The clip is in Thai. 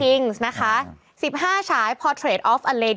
เป็นการกระตุ้นการไหลเวียนของเลือด